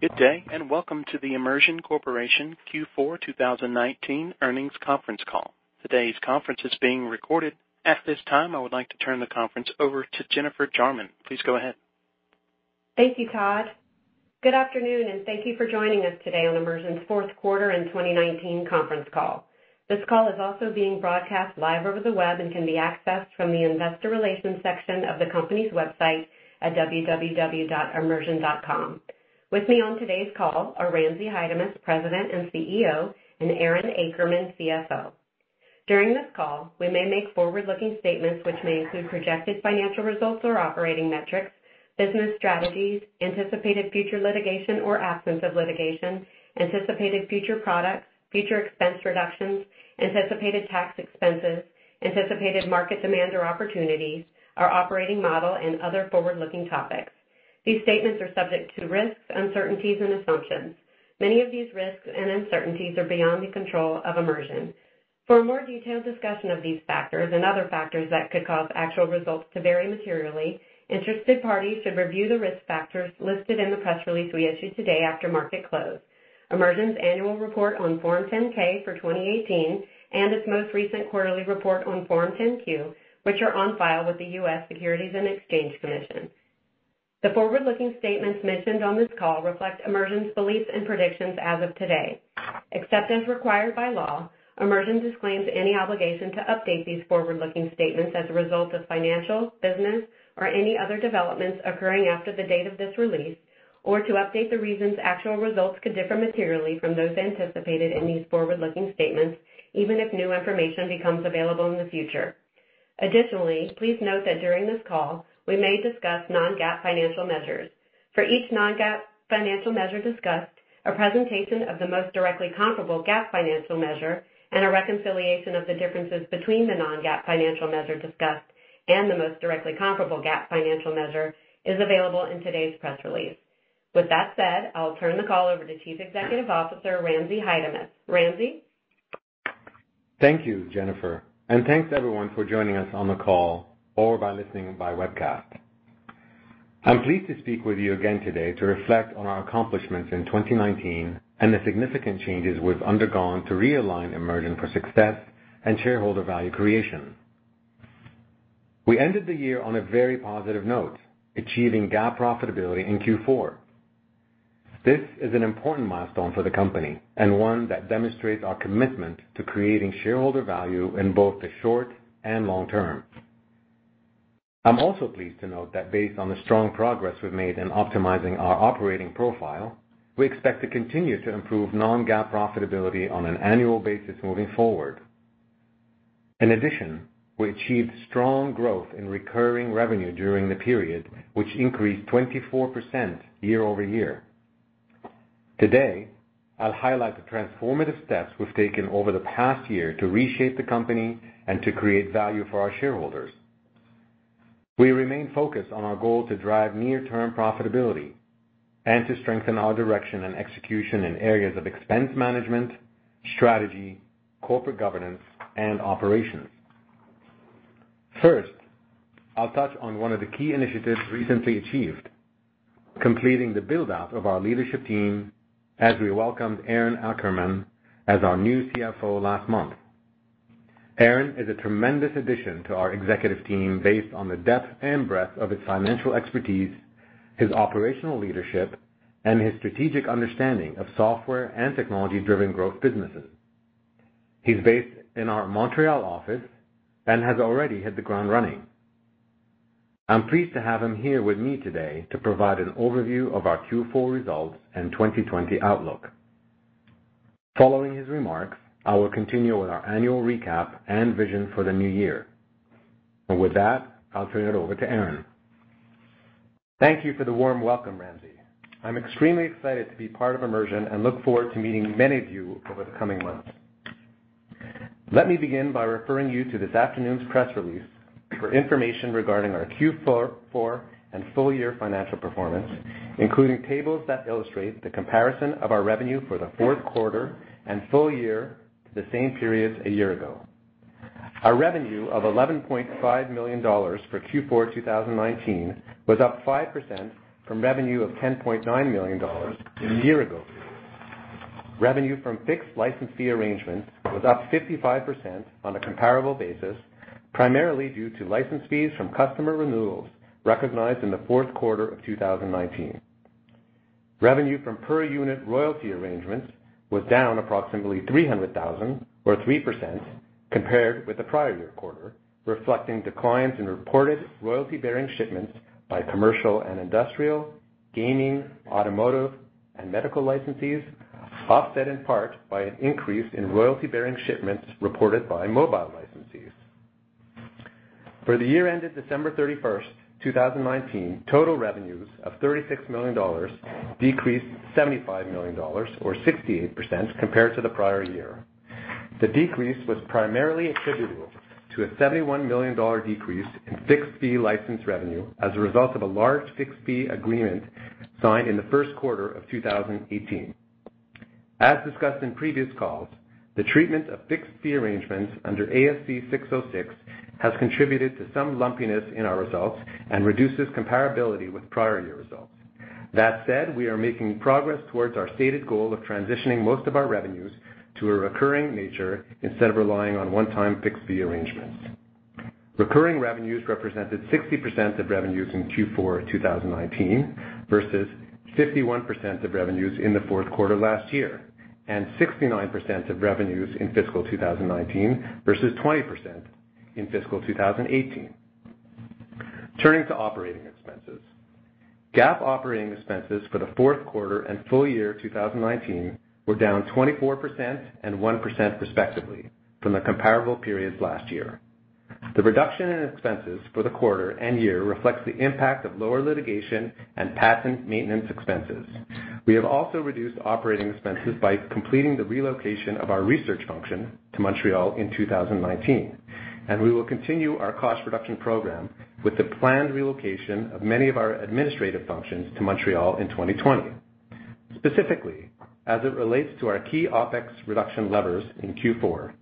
Good day. Welcome to the Immersion Corporation Q4 2019 earnings conference call. Today's conference is being recorded. At this time, I would like to turn the conference over to Jennifer Jarman. Please go ahead. Thank you, Todd. Good afternoon, and thank you for joining us today on Immersion's fourth quarter in 2019 conference call. This call is also being broadcast live over the web and can be accessed from the investor relations section of the company's website at www.immersion.com. With me on today's call are Ramzi Haidamus, President and CEO, and Aaron Akerman, CFO. During this call, we may make forward-looking statements which may include projected financial results or operating metrics, business strategies, anticipated future litigation or absence of litigation, anticipated future products, future expense reductions, anticipated tax expenses, anticipated market demand or opportunities, our operating model, and other forward-looking topics. These statements are subject to risks, uncertainties, and assumptions. Many of these risks and uncertainties are beyond the control of Immersion. For a more detailed discussion of these factors and other factors that could cause actual results to vary materially, interested parties should review the risk factors listed in the press release we issued today after market close, Immersion's annual report on Form 10-K for 2018, and its most recent quarterly report on Form 10-Q, which are on file with the U.S. Securities and Exchange Commission. The forward-looking statements mentioned on this call reflect Immersion's beliefs and predictions as of today. Except as required by law, Immersion disclaims any obligation to update these forward-looking statements as a result of financial, business, or any other developments occurring after the date of this release, or to update the reasons actual results could differ materially from those anticipated in these forward-looking statements, even if new information becomes available in the future. Additionally, please note that during this call, we may discuss non-GAAP financial measures. For each non-GAAP financial measure discussed, a presentation of the most directly comparable GAAP financial measure and a reconciliation of the differences between the non-GAAP financial measure discussed and the most directly comparable GAAP financial measure is available in today's press release. With that said, I'll turn the call over to Chief Executive Officer, Ramzi Haidamus. Ramzi? Thank you, Jennifer, and thanks, everyone, for joining us on the call or by listening by webcast. I'm pleased to speak with you again today to reflect on our accomplishments in 2019 and the significant changes we've undergone to realign Immersion for success and shareholder value creation. We ended the year on a very positive note, achieving GAAP profitability in Q4. This is an important milestone for the company and one that demonstrates our commitment to creating shareholder value in both the short and long term. I'm also pleased to note that, based on the strong progress we've made in optimizing our operating profile, we expect to continue to improve non-GAAP profitability on an annual basis moving forward. In addition, we achieved strong growth in recurring revenue during the period, which increased 24% year-over-year. Today, I'll highlight the transformative steps we've taken over the past year to reshape the company and to create value for our shareholders. We remain focused on our goal to drive near-term profitability and to strengthen our direction and execution in areas of expense management, strategy, corporate governance, and operations. First, I'll touch on one of the key initiatives recently achieved, completing the build-out of our leadership team as we welcomed Aaron Akerman as our new CFO last month. Aaron is a tremendous addition to our executive team based on the depth and breadth of his financial expertise, his operational leadership, and his strategic understanding of software and technology-driven growth businesses. He's based in our Montreal office and has already hit the ground running. I'm pleased to have him here with me today to provide an overview of our Q4 results and 2020 outlook. Following his remarks, I will continue with our annual recap and vision for the new year. With that, I'll turn it over to Aaron. Thank you for the warm welcome, Ramzi. I'm extremely excited to be part of Immersion and look forward to meeting many of you over the coming months. Let me begin by referring you to this afternoon's press release for information regarding our Q4 and full year financial performance, including tables that illustrate the comparison of our revenue for the fourth quarter and full year to the same periods a year ago. Our revenue of $11.5 million for Q4 2019 was up 5% from revenue of $10.9 million a year ago. Revenue from fixed license fee arrangements was up 55% on a comparable basis, primarily due to license fees from customer renewals recognized in the fourth quarter of 2019. Revenue from per unit royalty arrangements was down approximately $300,000, or 3%, compared with the prior year quarter, reflecting declines in reported royalty-bearing shipments by commercial and industrial, gaming, automotive, and medical licensees, offset in part by an increase in royalty-bearing shipments reported by mobile licensees. For the year ended December 31st, 2019, total revenues of $36 million decreased $75 million, or 68%, compared to the prior year. The decrease was primarily attributable to a $71 million decrease in fixed fee license revenue as a result of a large fixed fee agreement signed in the first quarter of 2018. As discussed in previous calls, the treatment of fixed fee arrangements under ASC 606 has contributed to some lumpiness in our results and reduces comparability with prior year results. That said, we are making progress towards our stated goal of transitioning most of our revenues to a recurring nature instead of relying on one-time fixed fee arrangements. Recurring revenues represented 60% of revenues in Q4 2019 versus 51% of revenues in the fourth quarter last year, and 69% of revenues in fiscal 2019 versus 20% in fiscal 2018. Turning to operating expenses. GAAP operating expenses for the fourth quarter and full year 2019 were down 24% and 1%, respectively from the comparable periods last year. The reduction in expenses for the quarter and year reflects the impact of lower litigation and patent maintenance expenses. We have also reduced operating expenses by completing the relocation of our research function to Montreal in 2019, and we will continue our cost reduction program with the planned relocation of many of our administrative functions to Montreal in 2020. Specifically, as it relates to our key OpEx reduction levers in Q4,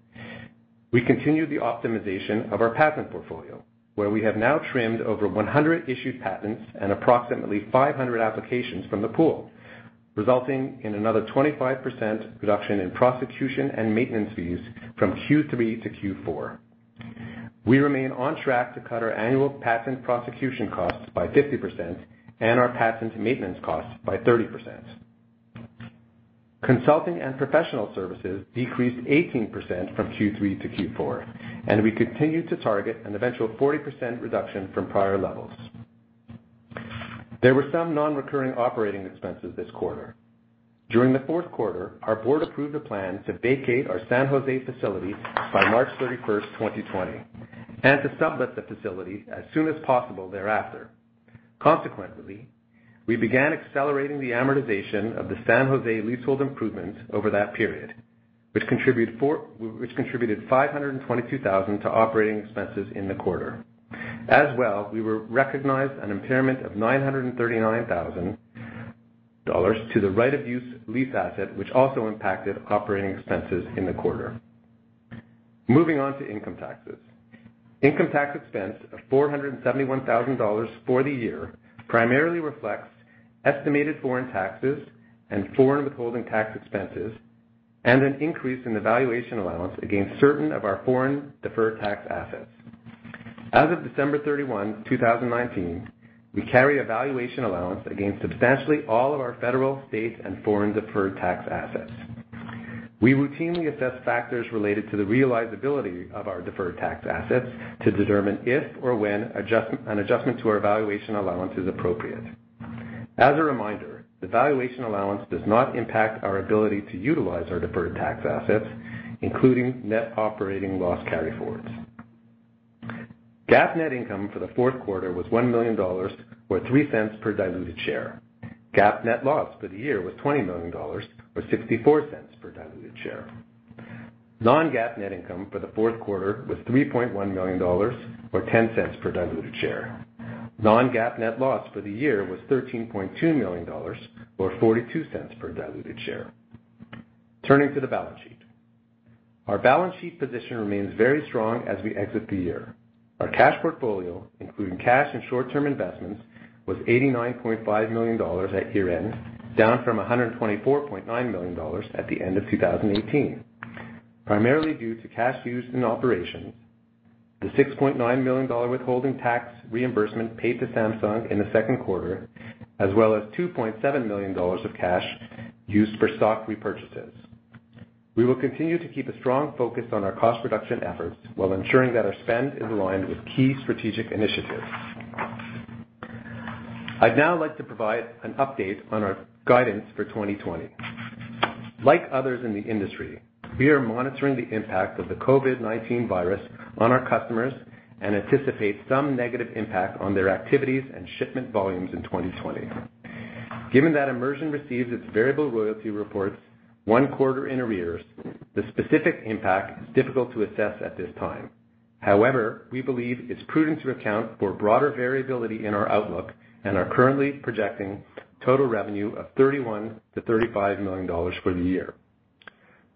we continued the optimization of our patent portfolio where we have now trimmed over 100 issued patents and approximately 500 applications from the pool, resulting in another 25% reduction in prosecution and maintenance fees from Q3 to Q4. We remain on track to cut our annual patent prosecution costs by 50% and our patent maintenance costs by 30%. Consulting and professional services decreased 18% from Q3 to Q4, and we continue to target an eventual 40% reduction from prior levels. There were some non-recurring operating expenses this quarter. During the fourth quarter, our board approved a plan to vacate our San Jose facility by March 31st, 2020, and to sublet the facility as soon as possible thereafter. Consequently, we began accelerating the amortization of the San Jose leasehold improvements over that period, which contributed $522,000 to operating expenses in the quarter. As well, we recognized an impairment of $939,000 to the right-of-use lease asset, which also impacted operating expenses in the quarter. Moving on to income taxes. Income tax expense of $471,000 for the year primarily reflects estimated foreign taxes and foreign withholding tax expenses, and an increase in the valuation allowance against certain of our foreign deferred tax assets. As of December 31, 2019, we carry a valuation allowance against substantially all of our federal, state, and foreign deferred tax assets. We routinely assess factors related to the realizability of our deferred tax assets to determine if or when an adjustment to our valuation allowance is appropriate. As a reminder, the valuation allowance does not impact our ability to utilize our deferred tax assets, including net operating loss carryforwards. GAAP net income for the fourth quarter was $1 million, or $0.03 per diluted share. GAAP net loss for the year was $20 million, or $0.64 per diluted share. Non-GAAP net income for the fourth quarter was $3.1 million, or $0.10 per diluted share. Non-GAAP net loss for the year was $13.2 million, or $0.42 per diluted share. Turning to the balance sheet. Our balance sheet position remains very strong as we exit the year. Our cash portfolio, including cash and short-term investments, was $89.5 million at year-end, down from $124.9 million at the end of 2018, primarily due to cash used in operations. The $6.9 million withholding tax reimbursement paid to Samsung in the second quarter, as well as $2.7 million of cash used for stock repurchases. We will continue to keep a strong focus on our cost reduction efforts while ensuring that our spending is aligned with key strategic initiatives. I'd now like to provide an update on our guidance for 2020. Like others in the industry, we are monitoring the impact of the COVID-19 virus on our customers and anticipate some negative impact on their activities and shipment volumes in 2020. Given that Immersion receives its variable royalty reports one quarter in arrears, the specific impact is difficult to assess at this time. However, we believe it's prudent to account for broader variability in our outlook and are currently projecting total revenue of $31 million-$35 million for the year.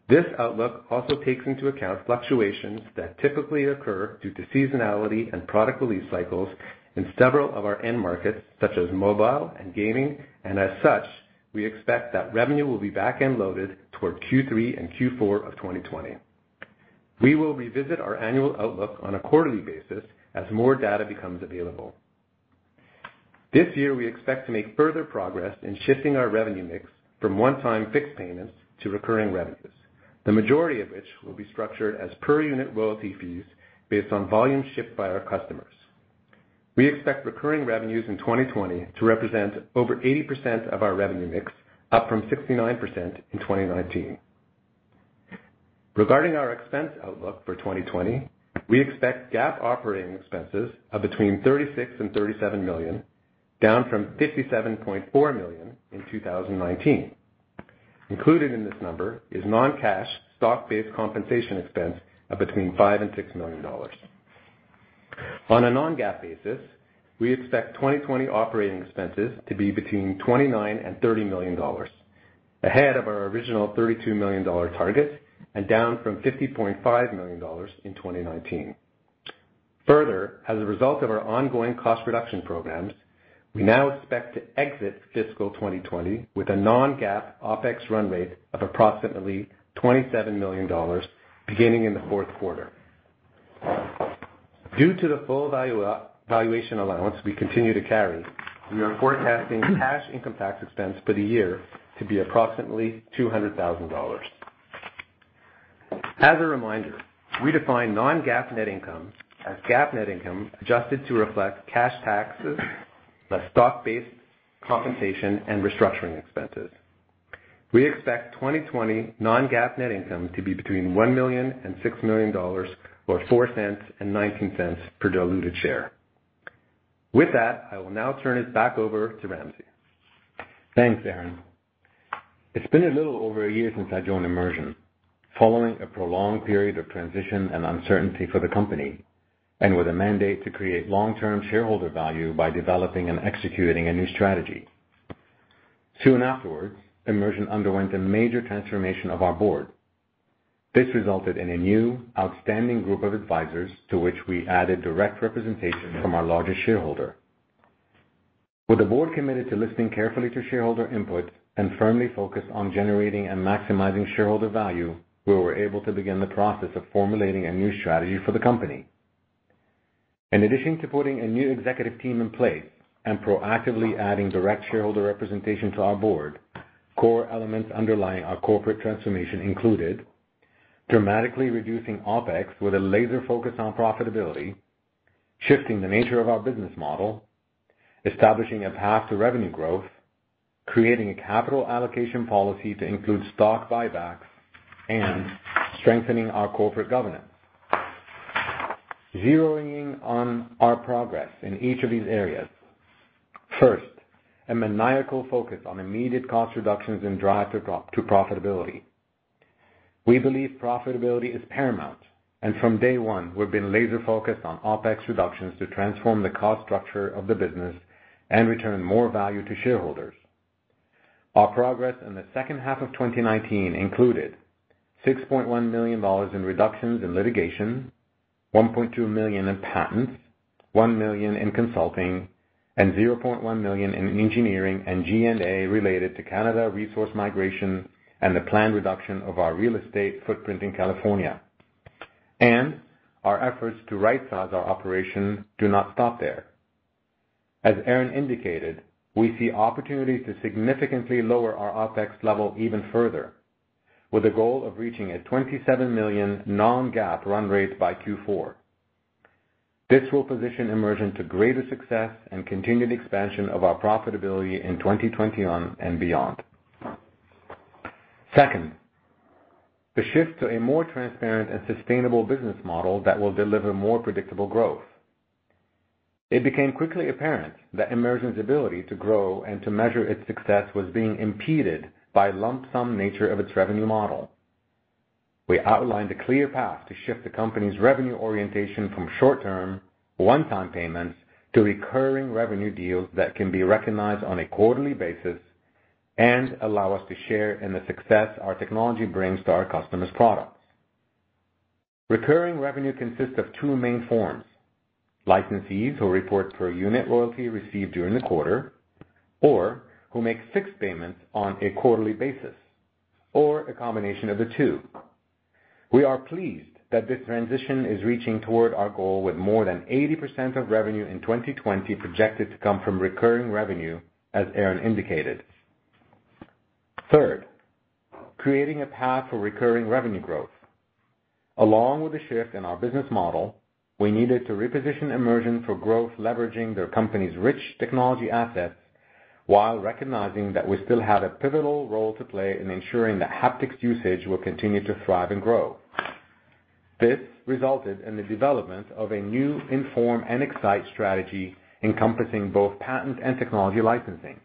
This outlook also takes into account fluctuations that typically occur due to seasonality and product release cycles in several of our end markets, such as mobile and gaming. As such, we expect that revenue will be back-end loaded toward Q3 and Q4 of 2020. We will revisit our annual outlook on a quarterly basis as more data becomes available. This year, we expect to make further progress in shifting our revenue mix from one-time fixed payments to recurring revenues, the majority of which will be structured as per unit royalty fees based on volume shipped by our customers. We expect recurring revenues in 2020 to represent over 80% of our revenue mix, up from 69% in 2019. Regarding our expense outlook for 2020, we expect GAAP operating expenses of between $36 million and $37 million, down from $57.4 million in 2019. Included in this number is non-cash stock-based compensation expense of between $5 million and $6 million. On a non-GAAP basis, we expect 2020 operating expenses to be between $29 million and $30 million, ahead of our original $32 million target, and down from $50.5 million in 2019. Further, as a result of our ongoing cost reduction programs, we now expect to exit fiscal 2020 with a non-GAAP OpEx run rate of approximately $27 million beginning in the fourth quarter. Due to the full valuation allowance we continue to carry, we are forecasting cash income tax expense for the year to be approximately $200,000. As a reminder, we define non-GAAP net income as GAAP net income adjusted to reflect cash taxes, less stock-based compensation, and restructuring expenses. We expect 2020 non-GAAP net income to be between $1 million and $6 million, or $0.04 and $0.19 per diluted share. With that, I will now turn it back over to Ramzi. Thanks, Aaron. It's been a little over a year since I joined Immersion. Following a prolonged period of transition and uncertainty for the company, and with a mandate to create long-term shareholder value by developing and executing a new strategy. Soon afterwards, Immersion underwent a major transformation of our board. This resulted in a new, outstanding group of advisors to which we added direct representation from our largest shareholder. With the board committed to listening carefully to shareholder input and firmly focused on generating and maximizing shareholder value, we were able to begin the process of formulating a new strategy for the company. In addition to putting a new executive team in place and proactively adding direct shareholder representation to our board, core elements underlying our corporate transformation included dramatically reducing OpEx with a laser focus on profitability, shifting the nature of our business model, establishing a path to revenue growth, creating a capital allocation policy to include stock buybacks, and strengthening our corporate governance. Zeroing in on our progress in each of these areas. First, a maniacal focus on immediate cost reductions and drive to profitability. We believe profitability is paramount, and from day one, we've been laser focused on OpEx reductions to transform the cost structure of the business and return more value to shareholders. Our progress in the second half of 2019 included $6.1 million in reductions in litigation, $1.2 million in patents, $1 million in consulting, and $0.1 million in engineering and G&A related to Canada resource migration, and the planned reduction of our real estate footprint in California. Our efforts to right-size our operations do not stop there. As Aaron indicated, we see opportunities to significantly lower our OpEx level even further, with a goal of reaching a $27 million non-GAAP run rate by Q4. This will position Immersion to greater success and continued expansion of our profitability in 2021 and beyond. Second, the shift to a more transparent and sustainable business model that will deliver more predictable growth. It became quickly apparent that Immersion's ability to grow and to measure its success was being impeded by the lump sum nature of its revenue model. We outlined a clear path to shift the company's revenue orientation from short-term, one-time payments to recurring revenue deals that can be recognized on a quarterly basis and allow us to share in the success our technology brings to our customers' products. Recurring revenue consists of two main forms: licensees who report per unit royalty received during the quarter, or who make six payments on a quarterly basis, or a combination of the two. We are pleased that this transition is reaching toward our goal, with more than 80% of revenue in 2020 projected to come from recurring revenue, as Aaron indicated. Third, creating a path for recurring revenue growth. Along with the shift in our business model, we needed to reposition Immersion for growth, leveraging the company's rich technology assets while recognizing that we still had a pivotal role to play in ensuring that haptics usage will continue to thrive and grow. This resulted in the development of a new inform and excite strategy encompassing both patent and technology licensing.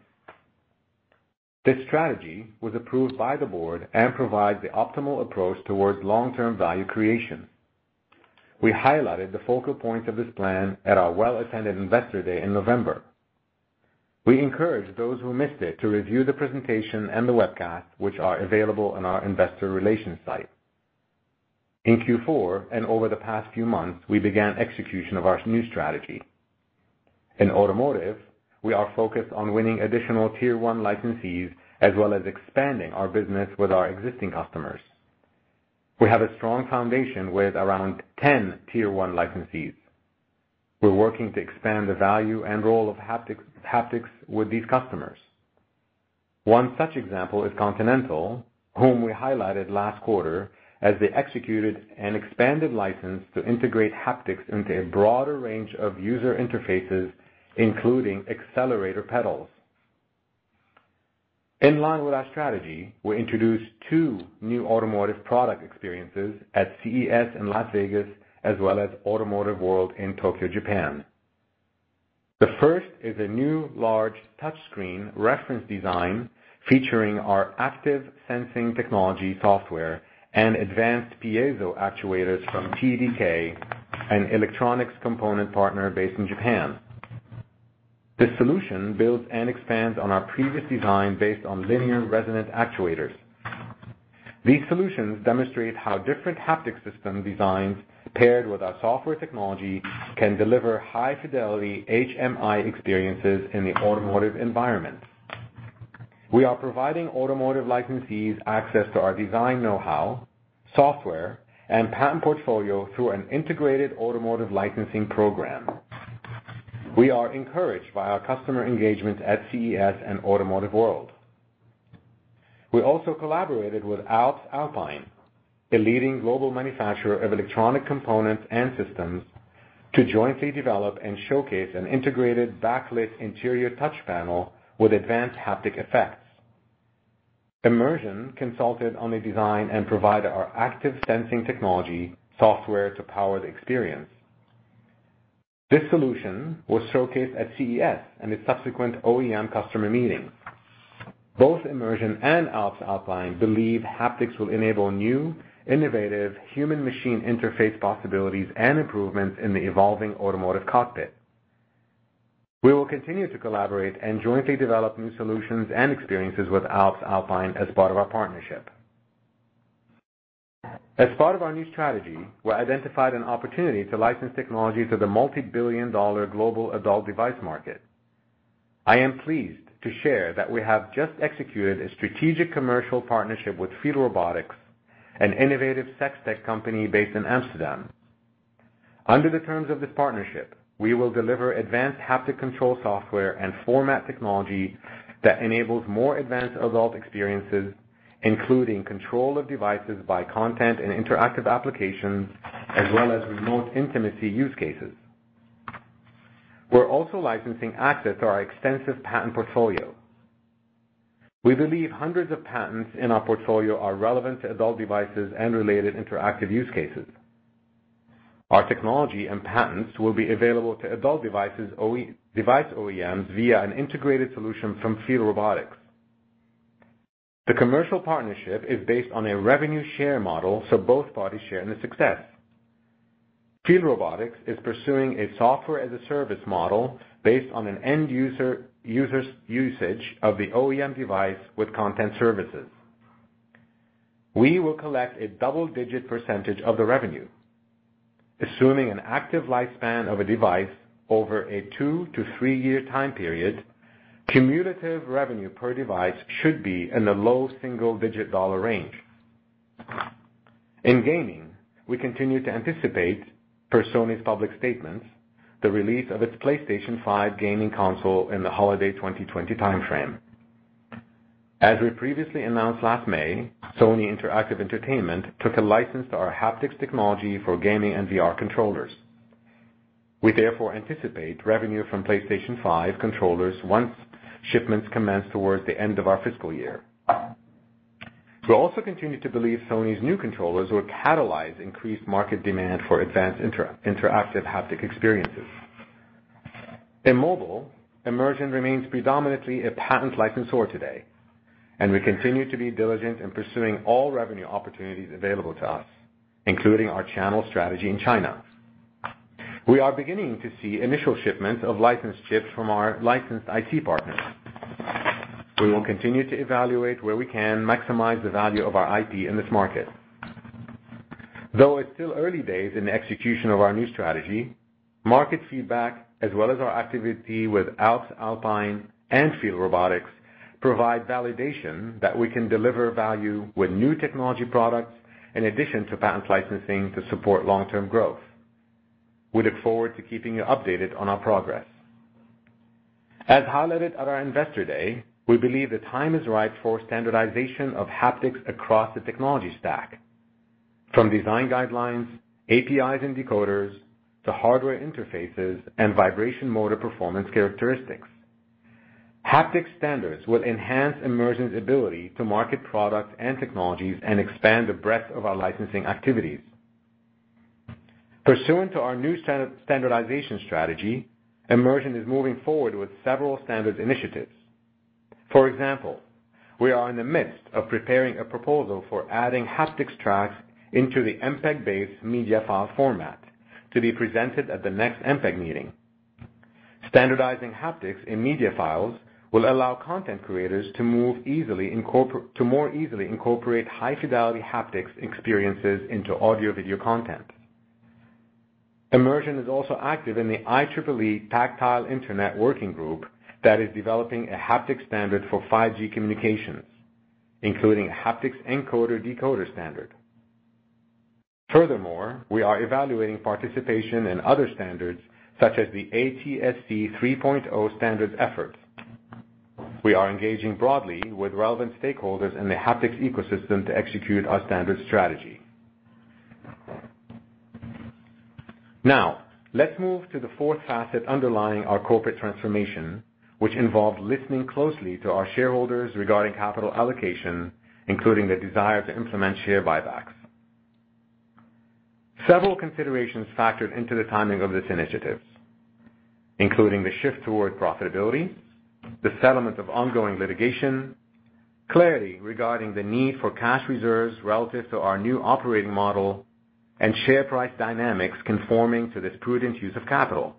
This strategy was approved by the board and provides the optimal approach towards long-term value creation. We highlighted the focal points of this plan at our well-attended Investor Day in November. We encourage those who missed it to review the presentation and the webcast, which are available on our investor relations site. In Q4, and over the past few months, we began execution of our new strategy. In automotive, we are focused on winning additional Tier 1 licensees, as well as expanding our business with our existing customers. We have a strong foundation with around 10 Tier 1 licensees. We're working to expand the value and role of haptics with these customers. One such example is Continental, whom we highlighted last quarter as they executed an expanded license to integrate haptics into a broader range of user interfaces, including accelerator pedals. In line with our strategy, we introduced two new automotive product experiences at CES in Las Vegas, as well as Automotive World in Tokyo, Japan. The first is a new, large touchscreen reference design featuring our Active Sensing Technology software and Advanced Piezo Actuators from TDK, an electronics component partner based in Japan. This solution builds and expands on our previous design based on Linear Resonant Actuators. These solutions demonstrate how different haptic system designs, paired with our software technology, can deliver high-fidelity HMI experiences in the automotive environment. We are providing automotive licensees access to our design know-how, software, and patent portfolio through an integrated automotive licensing program. We are encouraged by our customer engagement at CES and Automotive World. We also collaborated with Alps Alpine, a leading global manufacturer of electronic components and systems, to jointly develop and showcase an integrated backlit interior touch panel with advanced haptic effects. Immersion consulted on the design and provided our Active Sensing Technology software to power the experience. This solution was showcased at CES and its subsequent OEM customer meetings. Both Immersion and Alps Alpine believe haptics will enable new, innovative human-machine interface possibilities and improvements in the evolving automotive cockpit. We will continue to collaborate and jointly develop new solutions and experiences with Alps Alpine as part of our partnership. As part of our new strategy, we identified an opportunity to license technology to the multibillion-dollar global adult device market. I am pleased to share that we have just executed a strategic commercial partnership with FeelRobotics, an innovative sex tech company based in Amsterdam. Under the terms of this partnership, we will deliver advanced haptic control software and format technology that enables more advanced adult experiences, including control of devices by content and interactive applications, as well as remote intimacy use cases. We're also licensing access to our extensive patent portfolio. We believe hundreds of patents in our portfolio are relevant to adult devices and related interactive use cases. Our technology and patents will be available to adult device OEMs via an integrated solution from FeelRobotics. The commercial partnership is based on a revenue share model, so both parties share in the success. FeelRobotics is pursuing a software-as-a-service model based on an end user's usage of the OEM device with content services. We will collect a double-digit % of the revenue. Assuming an active lifespan of a device over a two to three-year time period, cumulative revenue per device should be in the low single-digit dollar range. In gaming, we continue to anticipate, per Sony's public statements, the release of its PlayStation 5 gaming console in the holiday 2020 timeframe. As we previously announced last May, Sony Interactive Entertainment took a license to our haptics technology for gaming and VR controllers. We therefore anticipate revenue from PlayStation 5 controllers once shipments commence towards the end of our fiscal year. We also continue to believe Sony's new controllers will catalyze increased market demand for advanced interactive haptic experiences. In mobile, Immersion remains predominantly a patent licensor today, and we continue to be diligent in pursuing all revenue opportunities available to us, including our channel strategy in China. We are beginning to see initial shipments of licensed chips from our licensed IP partners. We will continue to evaluate where we can maximize the value of our IP in this market. Though it's still early days in the execution of our new strategy, market feedback, as well as our activity with Alps Alpine and FeelRobotics, provide validation that we can deliver value with new technology products in addition to patent licensing to support long-term growth. We look forward to keeping you updated on our progress. As highlighted at our Investor Day, we believe the time is right for standardization of haptics across the technology stack, from design guidelines, APIs, and decoders, to hardware interfaces and vibration motor performance characteristics. Haptic standards will enhance Immersion's ability to market products and technologies and expand the breadth of our licensing activities. Pursuant to our new standardization strategy, Immersion is moving forward with several standards initiatives. For example, we are in the midst of preparing a proposal for adding haptics tracks into the MPEG-based media file format to be presented at the next MPEG meeting. Standardizing haptics in media files will allow content creators to more easily incorporate high-fidelity haptics experiences into audio-video content. Immersion is also active in the IEEE "Tactile Internet" Working Group that is developing a haptics standard for 5G communications, including a haptics encoder-decoder standard. Furthermore, we are evaluating participation in other standards, such as the ATSC 3.0 standards effort. We are engaging broadly with relevant stakeholders in the haptics ecosystem to execute our standards strategy. Let's move to the fourth facet underlying our corporate transformation, which involved listening closely to our shareholders regarding capital allocation, including the desire to implement share buybacks. Several considerations factored into the timing of this initiative, including the shift toward profitability, the settlement of ongoing litigation, clarity regarding the need for cash reserves relative to our new operating model, and share price dynamics conforming to this prudent use of capital.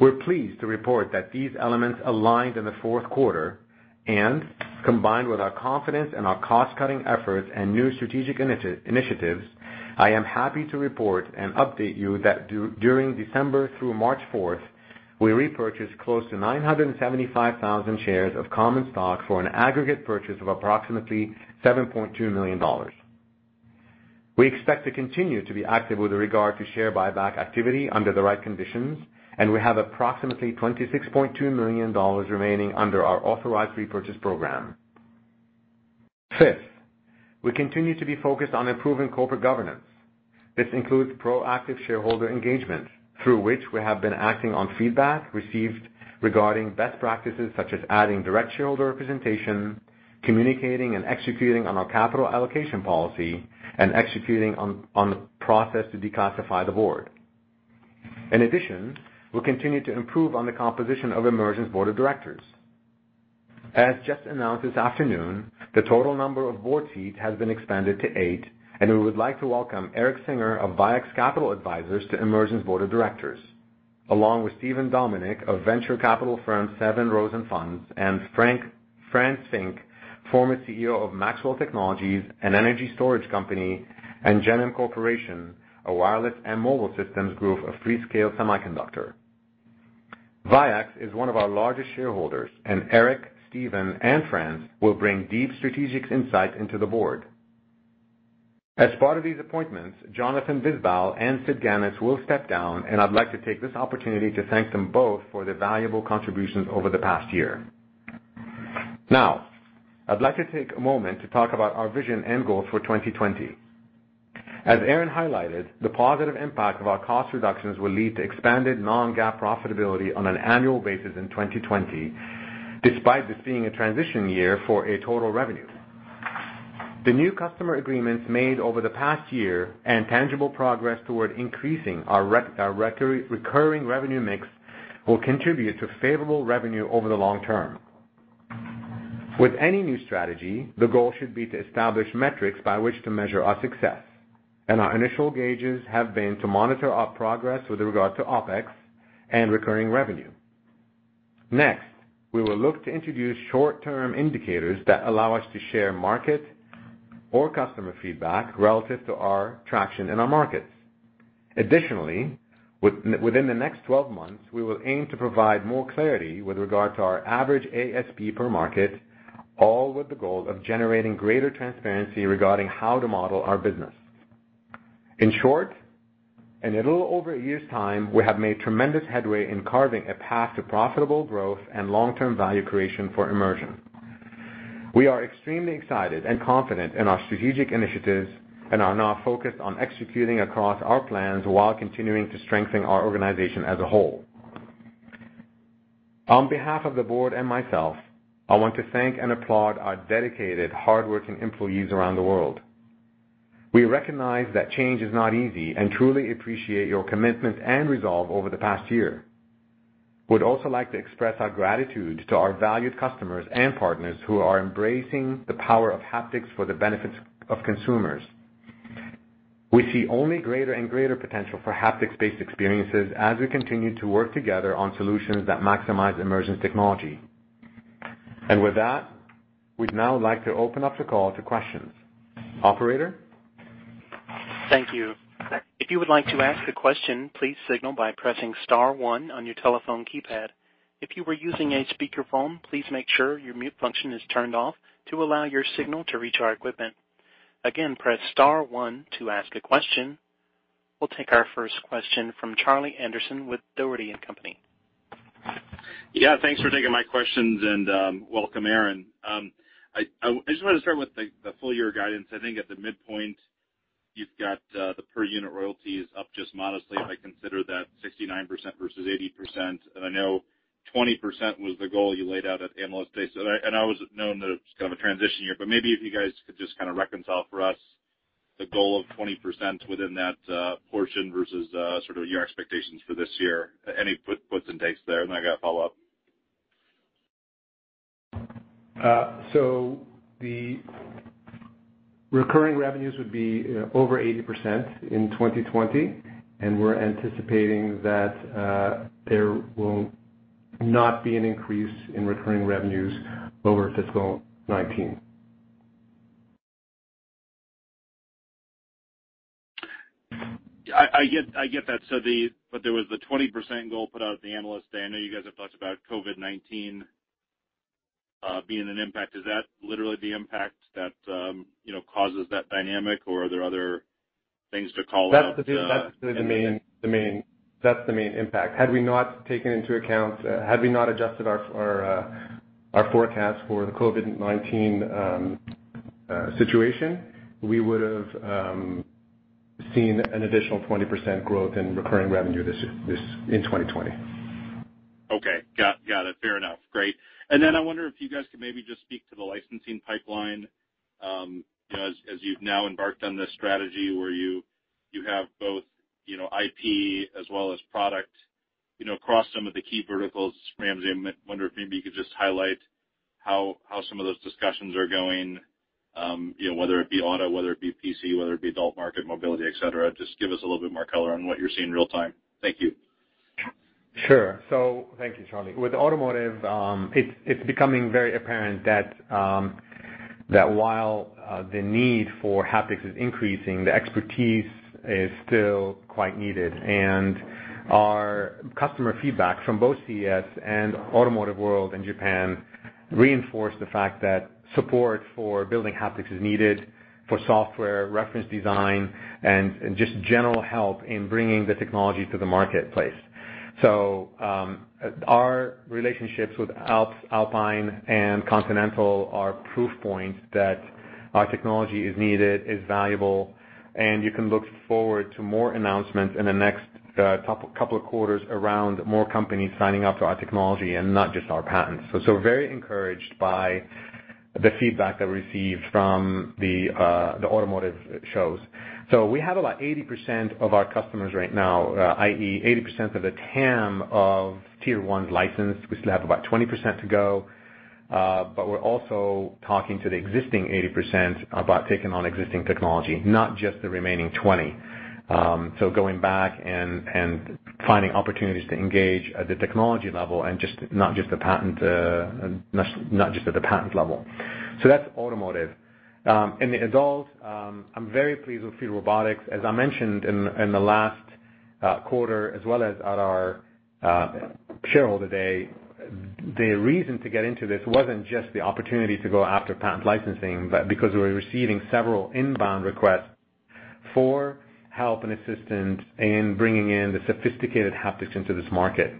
We're pleased to report that these elements aligned in the fourth quarter and, combined with our confidence in our cost-cutting efforts and new strategic initiatives, I am happy to report and update you that during December through March 4th, we repurchased close to 975,000 shares of common stock for an aggregate purchase of approximately $7.2 million. We expect to continue to be active with regard to share buyback activity under the right conditions, and we have approximately $26.2 million remaining under our authorized repurchase program. Fifth, we continue to be focused on improving corporate governance. This includes proactive shareholder engagement, through which we have been acting on feedback received regarding best practices, such as adding direct shareholder representation, communicating and executing on our capital allocation policy, and executing on the process to declassify the board. In addition, we continue to improve on the composition of Immersion's board of directors. As just announced this afternoon, the total number of board seats has been expanded to eight, and we would like to welcome Eric Singer of VIEX Capital Advisors to Immersion's Board of Directors, along with Stephen Domenik of venture capital firm Sevin Rosen Funds, and Franz Fink, former CEO of Maxwell Technologies, an energy storage company, and Gennum Corporation, a wireless and mobile systems group of Freescale Semiconductor. VIEX is one of our largest shareholders, and Eric, Stephen, and Franz will bring deep strategic insight into the board. As part of these appointments, Jonathan Visbal and Sid Ganis will step down, and I'd like to take this opportunity to thank them both for their valuable contributions over the past year. Now, I'd like to take a moment to talk about our vision and goals for 2020. As Aaron highlighted, the positive impact of our cost reductions will lead to expanded non-GAAP profitability on an annual basis in 2020, despite this being a transition year for a total revenue. The new customer agreements made over the past year and tangible progress toward increasing our recurring revenue mix will contribute to favorable revenue over the long term. With any new strategy, the goal should be to establish metrics by which to measure our success, our initial gauges have been to monitor our progress with regard to OpEx and recurring revenue. Next, we will look to introduce short-term indicators that allow us to share market or customer feedback relative to our traction in our markets. Additionally, within the next 12 months, we will aim to provide more clarity with regard to our average ASP per market, all with the goal of generating greater transparency regarding how to model our business. In short, in a little over a year's time, we have made tremendous headway in carving a path to profitable growth and long-term value creation for Immersion. We are extremely excited and confident in our strategic initiatives, and are now focused on executing across our plans while continuing to strengthen our organization as a whole. On behalf of the board and myself, I want to thank and applaud our dedicated, hardworking employees around the world. We recognize that change is not easy and truly appreciate your commitment and resolve over the past year. We'd also like to express our gratitude to our valued customers and partners who are embracing the power of haptics for the benefit of consumers. We see only greater and greater potential for haptics-based experiences as we continue to work together on solutions that maximize Immersion's technology. With that, we'd now like to open up the call to questions. Operator? Thank you. If you would like to ask a question, please signal by pressing star one on your telephone keypad. If you are using a speakerphone, please make sure your mute function is turned off to allow your signal to reach our equipment. Again, press star one to ask a question. We'll take our first question from Charlie Anderson with Dougherty & Company. Yeah. Thanks for taking my questions, and welcome, Aaron. I just want to start with the full-year guidance. I think at the midpoint, you've got the per-unit royalties up just modestly. If I consider that 69% versus 80%, I know 20% was the goal you laid out at Analyst Day. I always known that it's kind of a transition year, but maybe if you guys could just kind of reconcile for us the goal of 20% within that portion versus sort of your expectations for this year. Any puts and takes there? I've got a follow-up. The recurring revenues would be over 80% in 2020, and we're anticipating that there will not be an increase in recurring revenues over fiscal 2019. I get that. There was the 20% goal put out at the Analyst Day. I know you guys have talked about COVID-19 being an impact. Is that literally the impact that causes that dynamic, or are there other things to call out? That's the main impact. Had we not taken into account, had we not adjusted our forecast for the COVID-19 situation, we would have seen an additional 20% growth in recurring revenue in 2020. Okay. Got it. Fair enough. Great. I wonder if you guys could maybe just speak to the licensing pipeline, as you've now embarked on this strategy where you have both IP as well as product across some of the key verticals, Ramzi, I wonder if maybe you could just highlight how some of those discussions are going, whether it be auto, whether it be PC, whether it be adult market, mobility, et cetera? Just give us a little bit more color on what you're seeing real time. Thank you. Sure. Thank you, Charlie. With automotive, it's becoming very apparent that while the need for haptics is increasing, the expertise is still quite needed, and our customer feedback from both CES and Automotive World in Japan reinforce the fact that support for building haptics is needed for software, reference design, and just general help in bringing the technology to the marketplace. Our relationships with Alps Alpine and Continental are proof points that our technology is needed, is valuable, and you can look forward to more announcements in the next couple of quarters around more companies signing up to our technology and not just our patents. Very encouraged by the feedback that we received from the automotive shows. We have about 80% of our customers right now, i.e., 80% of the TAM of Tier 1s licensed. We still have about 20% to go. We're also talking to the existing 80% about taking on existing technology, not just the remaining 20%. Going back and finding opportunities to engage at the technology level and not just at the patent level. That's automotive. In the adults, I'm very pleased with FeelRobotics. As I mentioned in the last quarter, as well as at our Shareholder Day, the reason to get into this wasn't just the opportunity to go after patent licensing, but because we were receiving several inbound requests for help and assistance in bringing in the sophisticated haptics into this market,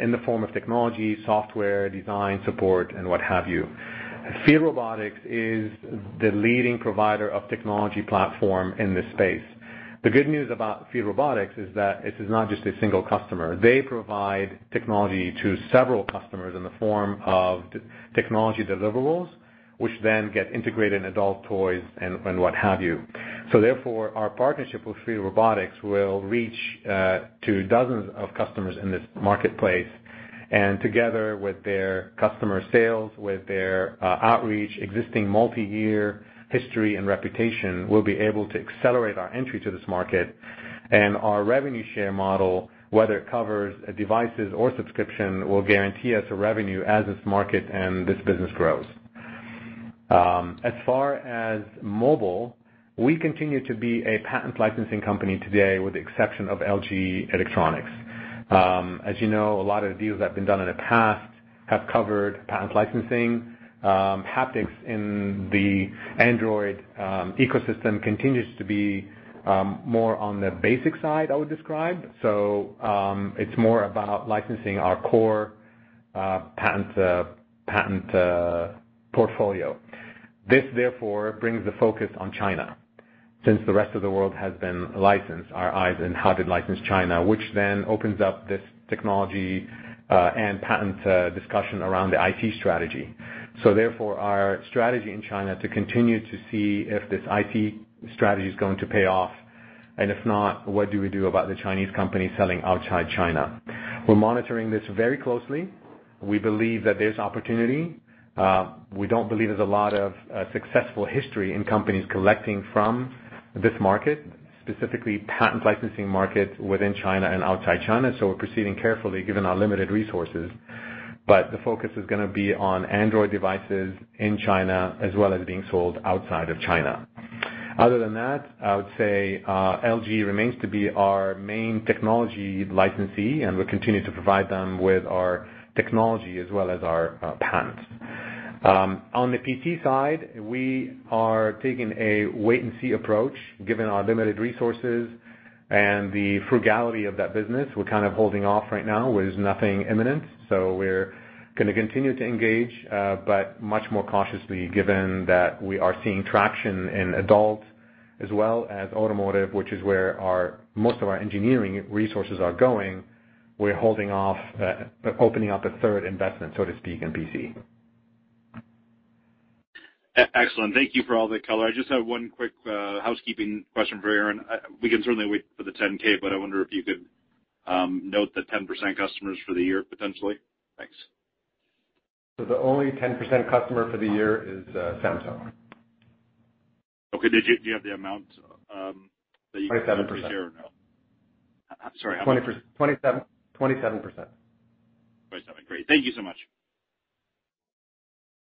in the form of technology, software, design support, and what have you. FeelRobotics is the leading provider of technology platform in this space. The good news about FeelRobotics is that this is not just a single customer. They provide technology to several customers in the form of technology deliverables, which then get integrated in adult toys and what have you. Our partnership with FeelRobotics will reach to dozens of customers in this marketplace. Together with their customer sales, with their outreach, existing multi-year history, and reputation, we'll be able to accelerate our entry to this market. Our revenue share model, whether it covers devices or subscription, will guarantee us a revenue as this market and this business grows. As far as mobile, we continue to be a patent licensing company today with the exception of LG Electronics. As you know, a lot of the deals that have been done in the past have covered patent licensing. Haptics in the Android ecosystem continues to be more on the basic side, I would describe. It's more about licensing our core patent portfolio. This, therefore, brings the focus on China, since the rest of the world has been licensed, our eyes are hard-to-license China, which then opens up this technology and patent discussion around the IP strategy. Therefore, our strategy in China to continue to see if this IP strategy is going to pay off, and if not, what do we do about the Chinese companies selling outside China? We're monitoring this very closely. We believe that there's opportunity. We don't believe there's a lot of successful history in companies collecting from this market, specifically patent licensing market within China and outside China, so we're proceeding carefully, given our limited resources. The focus is gonna be on Android devices in China, as well as being sold outside of China. Other than that, I would say LG remains to be our main technology licensee, and we continue to provide them with our technology as well as our patents. On the PC side, we are taking a wait-and-see approach, given our limited resources and the frugality of that business. We're kind of holding off right now, where there's nothing imminent. We're gonna continue to engage, but much more cautiously, given that we are seeing traction in adult as well as automotive, which is where most of our engineering resources are going. We're holding off opening up a third investment, so to speak, in PC. Excellent. Thank you for all the color. I just have one quick housekeeping question for Aaron. We can certainly wait for the 10-K, but I wonder if you could note the 10% customers for the year potentially? Thanks. The only 10% customer for the year is Samsung. Okay. Do you have the amount that Samsung represents? 27%. Sorry, how much? 27%. Great. Thank you so much.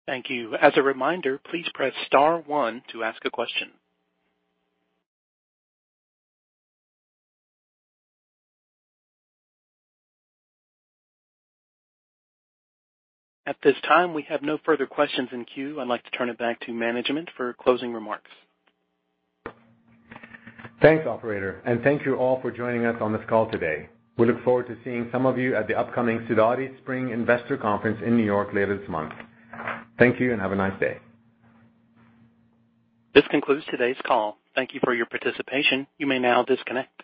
Thank you. As a reminder, please press star one to ask a question. At this time, we have no further questions in queue. I'd like to turn it back to management for closing remarks. Thanks, operator. Thank you all for joining us on this call today. We look forward to seeing some of you at the upcoming Sidoti Spring Investor Conference in New York later this month. Thank you and have a nice day. This concludes today's call. Thank you for your participation. You may now disconnect.